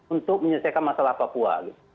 untuk menyelesaikan masalah papua